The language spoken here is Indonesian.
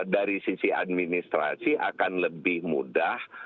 dari sisi administrasi akan lebih mudah